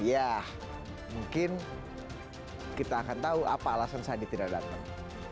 ya mungkin kita akan tahu apa alasan sandi tidak datang